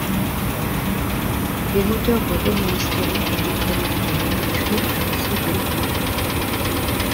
Il est l'auteur de romans historiques dans lesquels il recrée un passé glorieux.